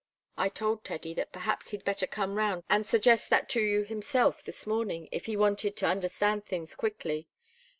I told Teddy that perhaps he'd better come round and suggest that to you himself this morning, if he wanted to understand things quickly.